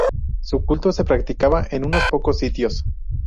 Su culto se practicaba en unos pocos sitios.